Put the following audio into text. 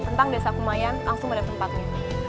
tentang desa kumayan langsung pada tempat ini